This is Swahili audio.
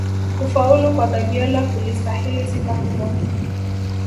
kufaulu kwa guardiola kulistahili sifa kubwa